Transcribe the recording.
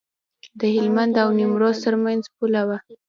د هلمند او نیمروز ترمنځ پوله وه.